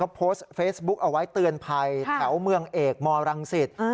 โพสต์เฟซบุ๊กเอาไว้เตือนภัยแถวเมืองเอกมรังสิต